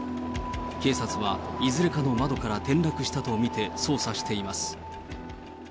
警察は、いずれかの窓から転落したと見て捜査しています。